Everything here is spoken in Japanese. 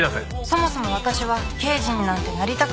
そもそも私は刑事になんてなりたくもなかったのに